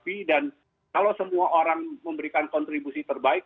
bagian dari risiko harus dihadapi dan kalau semua orang memberikan kontribusi terbaik